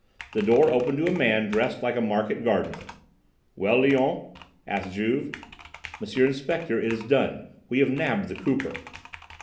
The door opened to a man dressed like a market gardener. "Well, Léon?" asked Juve. "M. Inspector, it is done. We have nabbed the 'Cooper.'"